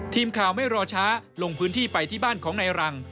ทีมข่าวไม่รอช้าลงพื้นที่ไปที่บ้านของนายรัง